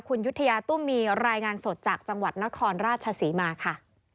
คุณยุธยาตุ้มมีรายงานสดจากจังหวัดนครราชศรีมาค่ะ